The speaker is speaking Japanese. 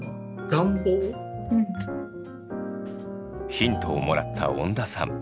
ヒントをもらった恩田さん。